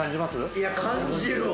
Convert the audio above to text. いや感じるわ。